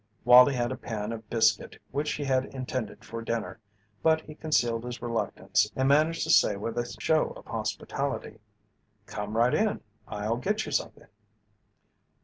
Wallie had a pan of biscuit which he had intended for dinner but he concealed his reluctance and managed to say with a show of hospitality: "Come right in; I'll get you something."